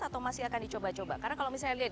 atau masih akan dicoba coba karena kalau misalnya dilihat